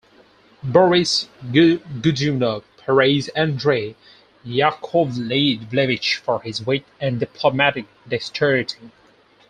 Boris Godunov praised Andrey Yakovlevich for his wit and diplomatic dexterity.